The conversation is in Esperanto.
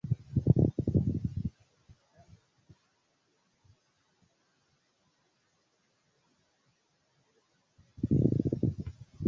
Tamen, la kristana profilo, kiu ankaŭ karakterizas la regionon, ne ŝanĝiĝis.